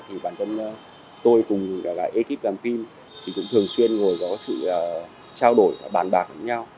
thì bản thân tôi cùng lại ekip làm phim thì cũng thường xuyên ngồi có sự trao đổi và bàn bạc với nhau